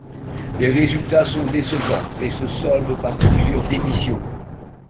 Les résultats sont décevants et se soldent par plusieurs démissions.